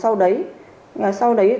sau đấy thì tôi chuyển lại cho người ta